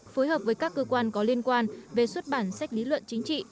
phối hợp với các cơ quan có liên quan về xuất bản sách lý luận chính trị